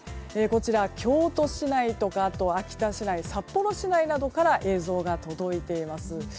京都市内とか秋田市内札幌市内などから映像が届いています。